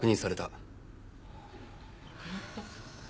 亡くなった！？